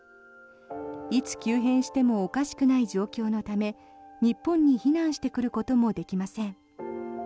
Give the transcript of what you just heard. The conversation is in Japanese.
いつ急変してもおかしくない状況のため日本に避難してくることもできません。